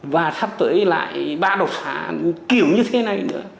và sắp tới lại ba đột phá kiểu như thế này nữa